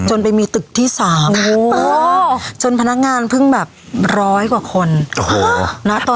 จนไปมีตึกที่๓จนพนักงานเพิ่งแบบร้อยกว่าคนโอ้โหนะ